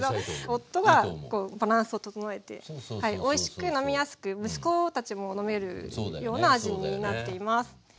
夫がこうバランスを整えておいしく飲みやすく息子たちも飲めるような味になっています。